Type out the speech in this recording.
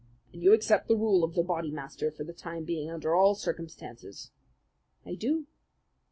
"And you accept the rule of the Bodymaster for the time being under all circumstances?" "I do."